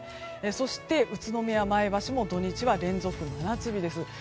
そして、宇都宮、前橋も土日は連続真夏日です。